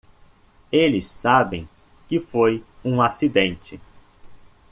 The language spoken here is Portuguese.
Eles sabem que foi um acidente.